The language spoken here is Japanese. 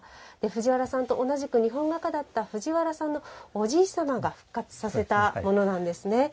藤原さんと同じく日本画家だった藤原さんのおじい様が復活させたものなんですね。